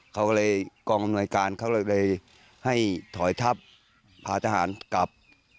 เขาก็เลยกองอำนวยการเขาเลยให้ถอยทับพาทหารกลับ